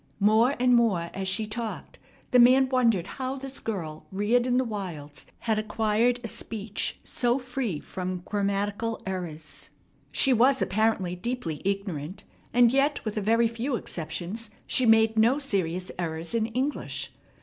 More and more as she talked the man wondered how this girl reared in the wilds had acquired a speech so free from grammatical errors. She was apparently deeply ignorant, and yet with a very few exceptions she made no serious errors in English.